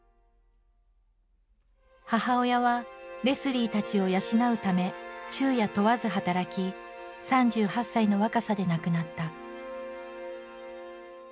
母親はレスリーたちを養うため昼夜問わず働き３８歳の若さで亡くなった。